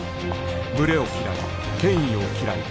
群れを嫌い権威を嫌い